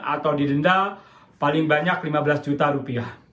atau didenda paling banyak lima belas juta rupiah